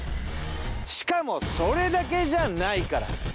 しかもそれだけじゃないから。